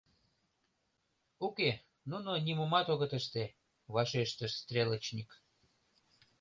— Уке, нуно нимомат огыт ыште, — вашештыш стрелочник.